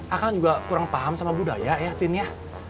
akang juga kurang paham sama budaya ya tin ya